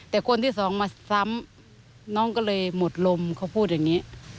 แต่คนที่สองมาซ้ำน้องก็เลยหมดลมเขาพูดอย่างนี้